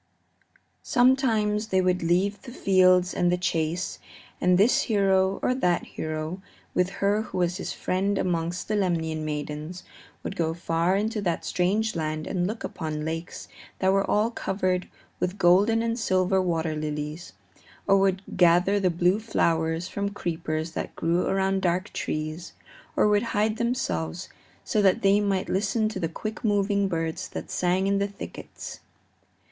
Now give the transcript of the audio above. Sometimes they would leave the fields and the chase, and this hero or that hero, with her who was his friend amongst the Lemnian maidens, would go far into that strange land and look upon lakes that were all covered with golden and silver water lilies, or would gather the blue flowers from creepers that grew around dark trees, or would hide themselves so that they might listen to the quick moving birds that sang in the thickets.